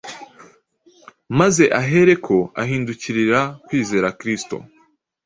maze ahereko ahindukirira kwizera Kristo.